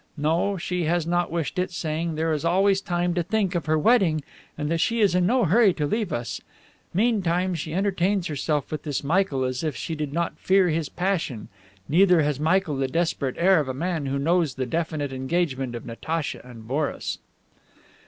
No, she has not wished it, saying that there is always time to think of her wedding and that she is in no hurry to leave us. Meantime she entertains herself with this Michael as if she did not fear his passion, and neither has Michael the desperate air of a man who knows the definite engagement of Natacha and Boris.